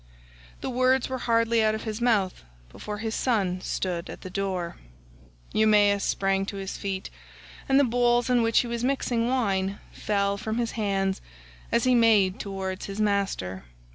The words were hardly out of his mouth before his son stood at the door. Eumaeus sprang to his feet, and the bowls in which he was mixing wine fell from his hands, as he made towards his master.